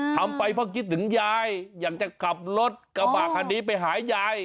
ทำไปเพราะคิดถึงยายอยากจะขับรถกระบะคันนี้ไปหายาย